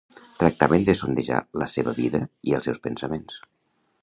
Tractaven de sondejar la seva vida i els seus pensaments.